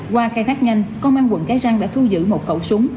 qua khai thác nhanh công an quận cái răng đã thu giữ một khẩu súng